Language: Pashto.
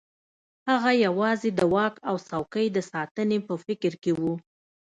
هغه یوازې د واک او څوکۍ د ساتنې په فکر کې وو.